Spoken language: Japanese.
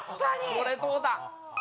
これどうだ？